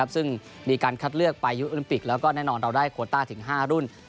ซึ่งมีการคัดเลือกไปยุโรปิกแล้วก็แน่นอนเราได้โคต้าถึง๕รุ่น